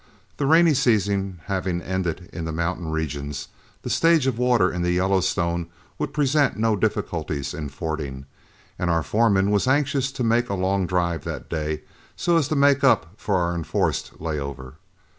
The rainy season having ended in the mountain regions, the stage of water in the Yellowstone would present no difficulties in fording, and our foreman was anxious to make a long drive that day so as to make up for our enforced lay over.